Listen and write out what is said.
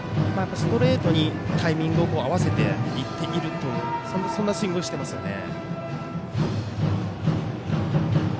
ストレートにタイミングを合わせていっているそんなスイングをしていますよね。